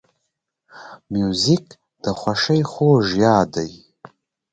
موزیک د خوښۍ خوږ یاد دی.